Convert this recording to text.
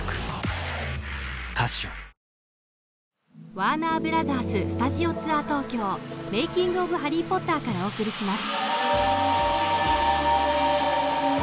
ワーナーブラザーススタジオツアー東京−メイキング・オブ・ハリー・ポッターからお送りします